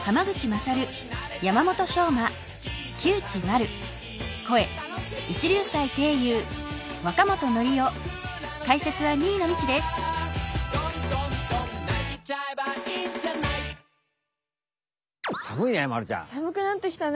さむくなってきたね